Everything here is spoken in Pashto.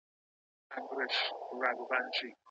که په هوایی ډګر کي امنیت ټینګ وي، نو قاچاق نه کیږي.